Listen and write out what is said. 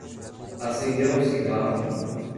Acendeu um cigarro